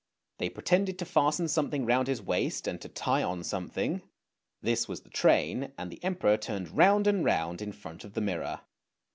They pretended to fasten something round his waist and to tie on something; this was the train, and the Emperor turned round and round in front of the mirror.